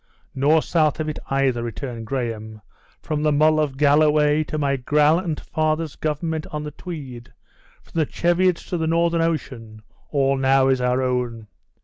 "Nor south of it either," returned Graham; "from the Mull of Galloway to my gallant father's government on the Tweed; from the Cheviots to the Northern Ocean, all now is our own.